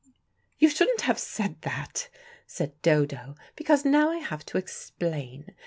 "You shouldn't have said that," said Dodo, "because now I have to explain.